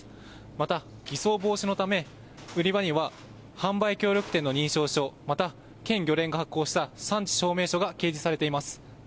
また偽装防止のため、売り場には販売協力店の認証書、また、県漁連が発行した産地証明書が掲示されています。